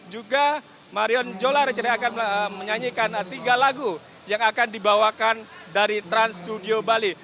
juga marion jola rencana akan menyanyikan tiga lagu yang akan dibawakan dari trans studio bali